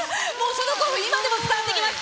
その興奮今でも伝わってきます。